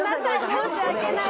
申し訳ないです。